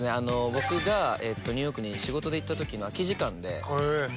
僕がニューヨークに仕事で行った時の空き時間で。